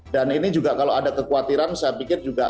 dan ini juga kalau ada kekhawatiran saya pikir juga